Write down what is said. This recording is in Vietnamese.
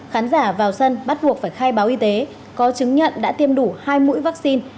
khán giả vào sân bắt buộc phải khai báo y tế có chứng nhận đã tiêm đủ hai mũi vaccine